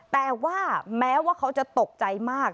แต่ว่าแม้ว่าเขาจะตกใจมาก